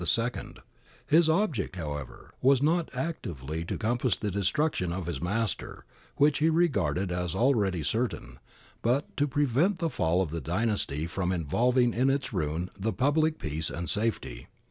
^ His object, however, was not actively to compass the destruction of his master, which he regarded as already certain, but to prevent the fall of the dynasty from in volving in its ruin the public peace and safety.